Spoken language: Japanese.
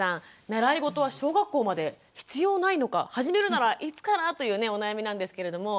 習いごとは小学校まで必要ないのか始めるならいつから？というお悩みなんですけれども。